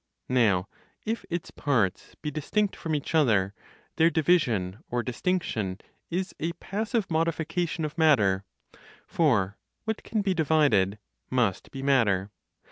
Now if its parts be distinct from each other, their division or distinction is a passive modification of matter; for what can be divided, must be matter.